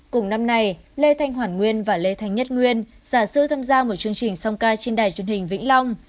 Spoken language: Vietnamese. cùng năm nay lê thanh hoàn nguyên và lê thanh nhất nguyên giả sư tham gia một chương trình song ca trên đài truyền hình vĩnh long